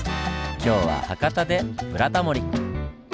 今日は博多で「ブラタモリ」！